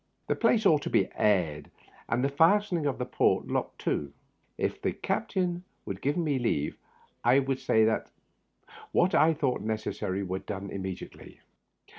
The place ought to be aired and the fastening of the port looked to. If the captain would give me leave I would see that what I thought necessary were done imme diately.